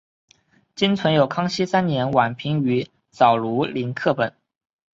今存有康熙三年宛平于藻庐陵刻本。